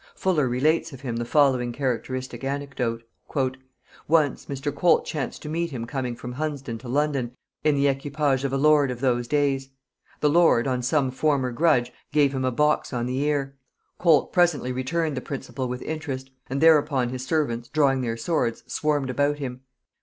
Fuller relates of him the following characteristic anecdote. "Once, one Mr. Colt chanced to meet him coming from Hunsdon to London, in the equipage of a lord of those days. The lord, on some former grudge, gave him a box on the ear: Colt presently returned the principal with interest; and thereupon his servants drawing their swords, swarmed about him.